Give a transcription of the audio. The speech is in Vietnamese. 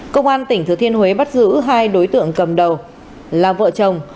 công an tỉnh thừa thiên huế bắt giữ hai đối tượng cầm đầu là vợ chồng